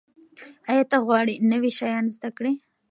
ایا ته غواړې نوي شیان زده کړې؟